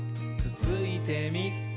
つついてみ？」